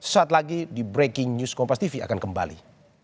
saat lagi di breaking news kompas tv akan kembali